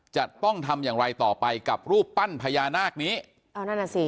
จะต้องทำอย่างไรต่อไปกับรูปปั้นพญานาคนี้เอานั่นน่ะสิ